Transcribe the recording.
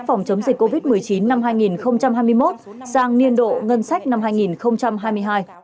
phòng chống dịch covid một mươi chín năm hai nghìn hai mươi một sang niên độ ngân sách năm hai nghìn hai mươi hai